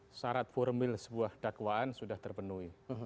ya pertama syarat formil sebuah dakwaan sudah terpenuhi